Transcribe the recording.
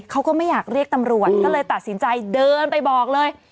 เขาก็ไม่อยากเรียกตำรวจก็เลยตัดสินใจเดินไปบอกเลย